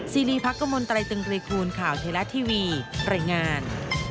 ซีรีส์พักกมลไตรตึงรีคูณข่าวเทลาทีวีปริงาน